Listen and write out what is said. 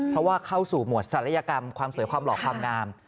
เพราะว่าเข้าสู่หมวดศัลยกรรมความสวยความหล่อความงาม